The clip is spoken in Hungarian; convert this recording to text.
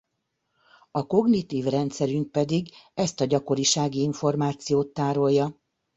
A kognitív rendszerünk pedig ezt a gyakorisági információt tárolja.